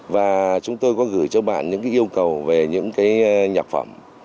và chúng tôi có gửi cho bạn những yêu cầu về những cái nhạc phẩm